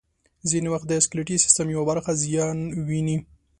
ځینې وخت د سکلیټي سیستم یوه برخه زیان ویني.